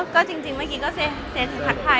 ก็จริงเมื่อเกียร์ก็เซเทภาคไทย